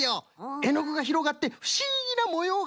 えのぐがひろがってふしぎなもようができるんです！